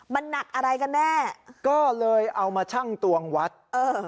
มันหนักอะไรกันแน่ก็เลยเอามาชั่งตวงวัดเออ